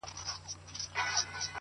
ستا ټولي كيسې لوستې;